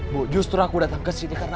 bu justru aku datang ke sini